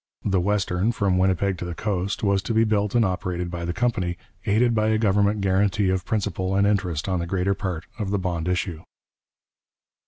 The western, from Winnipeg to the coast, was to be built and operated by the company, aided by a government guarantee of principal and interest on the greater part of the bond issue.